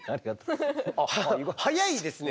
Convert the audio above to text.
早いですね！